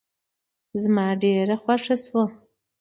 زما ډېره خوښه شوه.